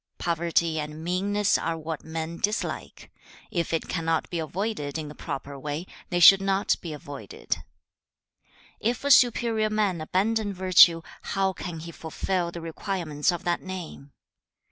Poverty and meanness are what men dislike. If it cannot be avoided in the proper way, they should not be avoided. 2. 'If a superior man abandon virtue, how can he fulfil the requirements of that name?